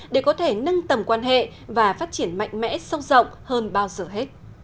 để có thể nâng tầm quan hệ và phát triển mạnh mẽ sâu rộng hơn bao giờ hết